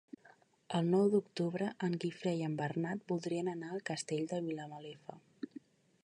El nou d'octubre en Guifré i en Bernat voldrien anar al Castell de Vilamalefa.